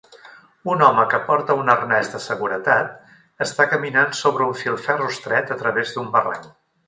Un home que porta un arnès de seguretat està caminant sobre un filferro estret a través d'un barranc.